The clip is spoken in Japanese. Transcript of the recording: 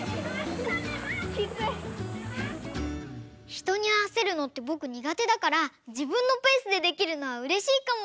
ひとにあわせるのってぼくにがてだからじぶんのペースでできるのはうれしいかも。